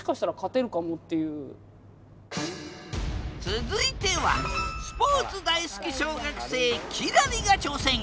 続いてはスポーツ大好き小学生輝星が挑戦！